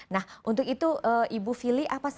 nah untuk itu ibu fili apa saja